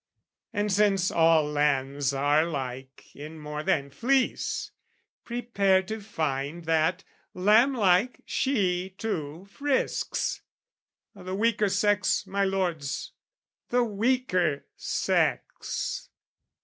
And since all lambs are like in more than fleece, Prepare to find that, lamb like, she too frisks O' the weaker sex, my lords, the weaker sex!